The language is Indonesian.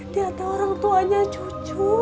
dia tuh orang tuanya cucu